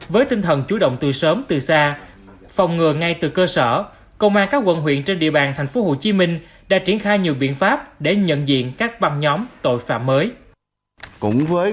với tinh thần chủ động từ sớm từ xa phòng ngừa ngay từ cơ sở công an các quận huyện trên địa bàn tp hcm đã triển khai nhiều biện pháp để nhận diện các băng nhóm tội phạm mới